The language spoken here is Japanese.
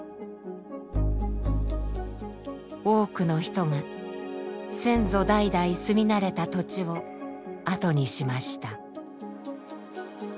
多くの人が先祖代々住み慣れた土地を後にしました。